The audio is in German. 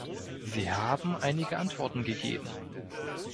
Sie haben einige Antworten gegeben.